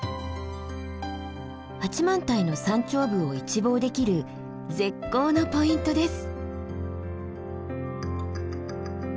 八幡平の山頂部を一望できる絶好のポイントです。